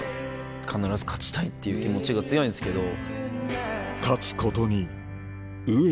必ず勝ちたいっていう気持ちが強いんですけど。